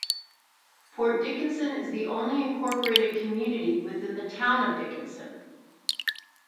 Port Dickinson is the only incorporated community within the town of Dickinson.